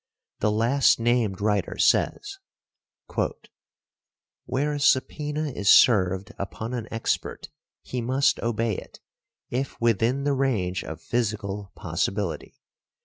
The last named writer says, "Where a subpœna is served upon an expert he must obey it, if within the range of physical possibility.